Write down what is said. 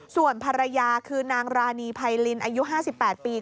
ส่วนภรรยาคือนางรานีไพรินอายุ๕๘ปี